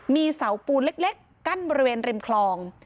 มีเสาปูนเล็กกั้นบริเวณริมคลอง